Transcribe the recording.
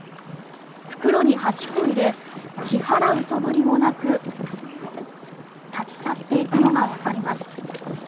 袋に８個入れ支払うそぶりもなく立ち去っていくのがわかります。